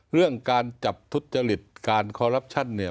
เรื่องการจับทุจริตการคอรัปชั่นเนี่ย